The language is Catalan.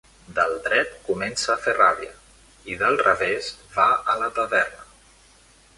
Del dret comença a fer ràbia, i del revés va a la taverna.